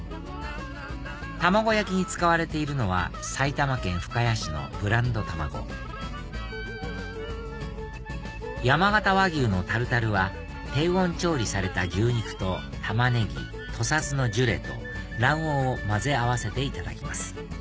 卵焼きに使われているのは埼玉県深谷市のブランド卵山形和牛のタルタルは低温調理された牛肉とタマネギ土佐酢のジュレと卵黄を混ぜ合わせていただきます